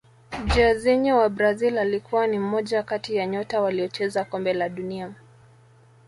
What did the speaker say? jairzinho wa brazil alikuwa ni mmoja kati ya nyota waliocheza kombe la dunia